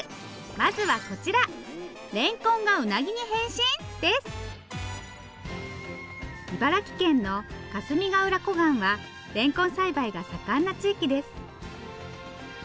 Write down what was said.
まずはこちら茨城県の霞ヶ浦湖岸はれんこん栽培が盛んな地域です